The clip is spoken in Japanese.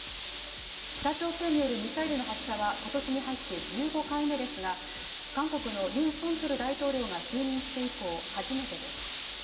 北朝鮮によるミサイルの発射は今年に入って１５回目ですが韓国のユン・ソンニョル大統領が就任して以降、初めてです。